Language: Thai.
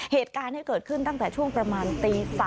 เหตุการณ์ที่เกิดขึ้นตั้งแต่ช่วงประมาณตี๓